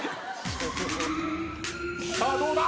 さあどうだ